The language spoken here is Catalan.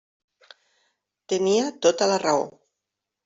Tenia tota la raó.